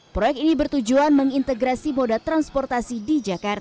proyek ini bertujuan mengintegrasi moda transportasi di jakarta